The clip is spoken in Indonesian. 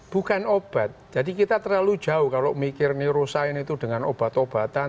bukan obat jadi kita terlalu jauh kalau mikir neuroscience itu dengan obat obatan